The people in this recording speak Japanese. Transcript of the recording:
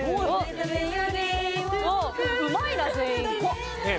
うまいな全員。